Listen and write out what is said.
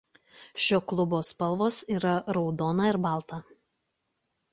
Šio klubo spalvos yra raudona ir balta.